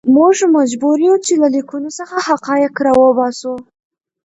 موږ مجبور یو چې له لیکنو څخه حقایق راوباسو.